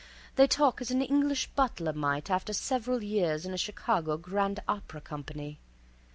They talk as an English butler might after several years in a Chicago grand opera company."